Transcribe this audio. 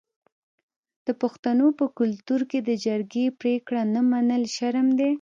د پښتنو په کلتور کې د جرګې پریکړه نه منل شرم دی.